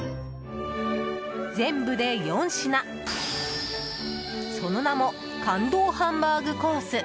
全部で４品、その名も感動ハンバーグコース。